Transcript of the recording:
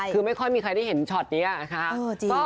คือไม่ค่อยมีใครได้เห็นช็อตนี้นะคะ